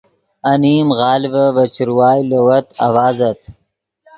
انیم غالڤے ڤے چروائے لووت آڤازت